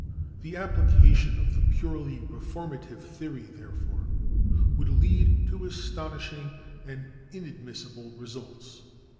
The application of the purely reformative theory, therefore, would lead to astonishing and inadmissible results.